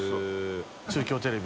中京テレビ。